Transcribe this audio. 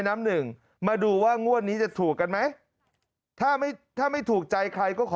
น้ำหนึ่งมาดูว่างวดนี้จะถูกกันไหมถ้าไม่ถ้าไม่ถูกใจใครก็ขอ